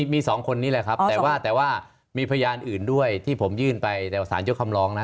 มี๒คนนี้แหละครับแต่ว่ามีพยานอื่นด้วยที่ผมยื่นไปสารเจ้าคำลองนะ